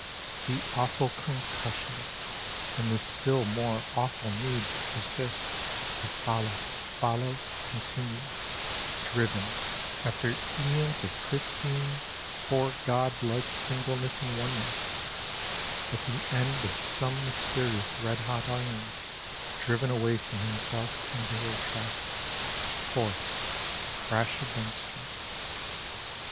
The awful concussion, And the still more awful need to persist, to follow, follow, continue, Driven, after aeons of pristine, fore god like singleness and oneness, At the end of some mysterious, red hot iron, Driven away from himself into her tracks, Forced to crash against her.